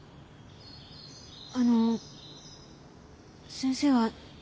あの先生は何か。